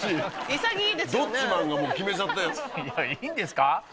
いやいいんですか？